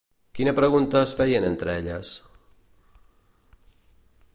Quina pregunta es feien entre elles?